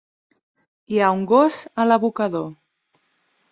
Hi ha un gos a l'abocador.